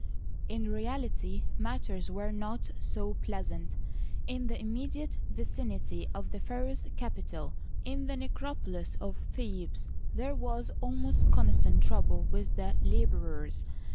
In reality matters were not so pleasant. In the immediate vicinity of the pharaoh 's capital, in the necrop olis of Thebes, there was almost constant trouble with the laborers.